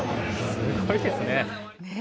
すごいですね。